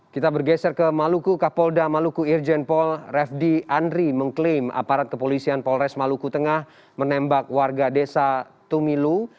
kita bergeser ke maluku kapolda maluku irjen pol refdi andri mengklaim aparat kepolisian polres maluku tengah menembak warga desa tumilu